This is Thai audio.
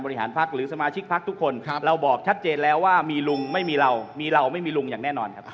เราบอกชัดเจนแล้วว่ามีลุงไม่มีเรามีเราไม่มีลุงอย่างแน่นอนครับ